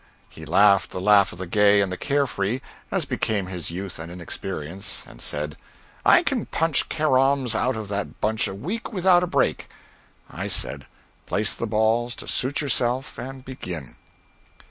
He laughed the laugh of the gay and the care free, as became his youth and inexperience, and said, "I can punch caroms out of that bunch a week without a break." I said "Place the balls to suit yourself, and begin."